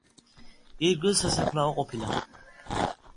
ირგვლივ სასაფლაო ყოფილა.